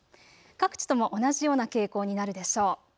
各地とも同じような傾向になるでしょう。